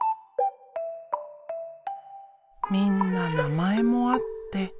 みんな名前もあって。